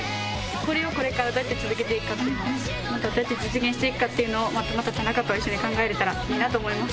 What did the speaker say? これをこれからどうやって続けていくかっていうまたどうやって実現していくかっていうのを田中と一緒に考えられたらいいなと思います。